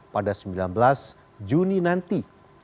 pada sembilan belas juni nanti